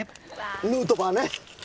ヌートバーね！